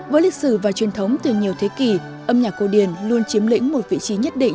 với lịch sử và truyền thống từ nhiều thế kỷ âm nhạc cổ điển luôn chiếm lĩnh một vị trí nhất định